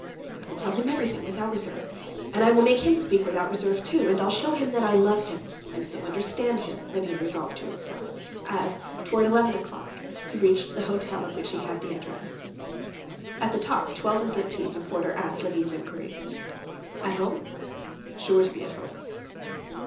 "I will tell him everything, without reserve, and I will make him speak without reserve, too, and I'll show him that I love him, and so understand him," Levin resolved to himself, as, towards eleven o'clock, he reached the hotel of which he had the address. "At the top, 12 and 13," the porter answered Levin's inquiry. "At home?" "Sure to be at home."